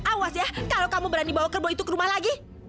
awas ya kalau kamu berani bawa kerbau itu ke rumah lagi